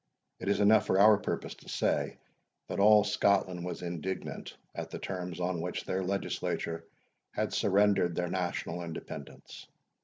It is enough for our purpose to say, that all Scotland was indignant at the terms on which their legislature had surrendered their national independence.